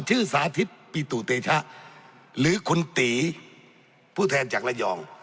สาธิตปิตุเตชะหรือคุณตีผู้แทนจากระยอง